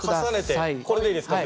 これでいいですか？